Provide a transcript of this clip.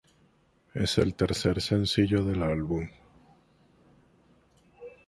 Es el tercer sencillo del álbum.